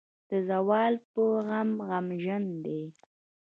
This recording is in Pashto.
د زوال پۀ غم غمژن دے ۔